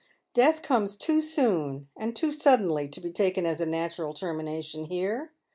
Death comes too soon and too suddenly to bo taken as a natural termination here.